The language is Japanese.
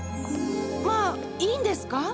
まあいいんですか？